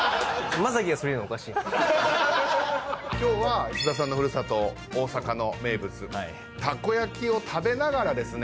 今日は菅田さんの古里大阪の名物たこ焼きを食べながらですね